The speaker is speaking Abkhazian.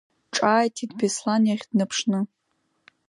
Ҿааиҭит Беслан иахь днаԥшны.